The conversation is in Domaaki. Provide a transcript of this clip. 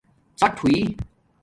ڎاٹ وئئ